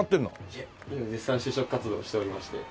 いえ絶賛就職活動をしておりまして。